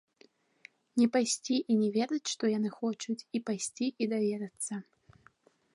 Не пайсці і не ведаць, што яны хочуць, і пайсці і даведацца.